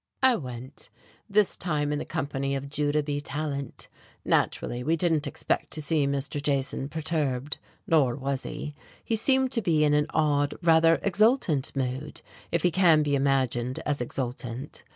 I went, this time in the company of Judah B. Tallant. Naturally we didn't expect to see Mr. Jason perturbed, nor was he. He seemed to be in an odd, rather exultant mood if he can be imagined as exultant.